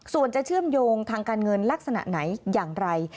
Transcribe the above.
ส่วนจะเชื่อมโยงทางการเงินลักษณะไหนอย่างไร